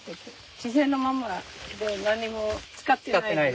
自然のまんまで何にも使ってないの？